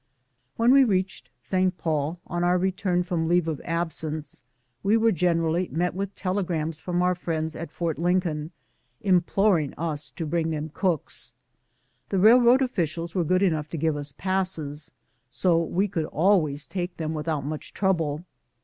When we reached St. Paul, on our return from leave of absence, we were generally met with telegrams from our friends at Fort Lincoln, imploring us to bring them cooks. The railroad officials were good enough to give us passes, so we could always take them without much trouble.